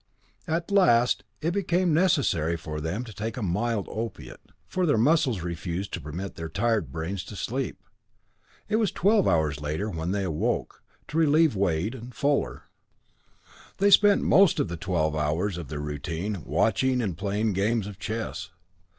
At last it became necessary for them to take a mild opiate, for their muscles refused to permit their tired brains to sleep. It was twelve hours later when they awoke, to relieve Wade and Fuller. They spent most of the twelve hours of their routine watch in playing games of chess.